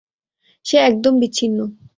সে একদম বিচ্ছিন্ন।